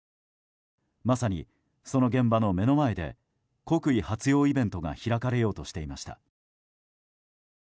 まさに、その現場の目の前で国威発揚イベントが開かれようとしていました。